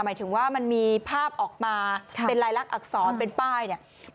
หมายถึงว่ามันมีภาพออกมาเป็นลายลักษณอักษรเป็นป้ายเนี่ย